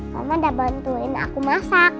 kamu udah bantuin aku masak